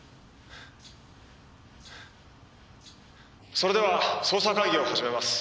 それでは捜査会議を始めます。